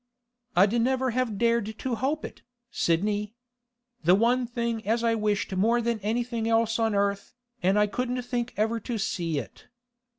'I'd never have dared to hope it, Sidney. The one thing as I wished more than anything else on earth, and I couldn't think ever to see it.